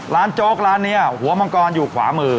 โจ๊กร้านนี้หัวมังกรอยู่ขวามือ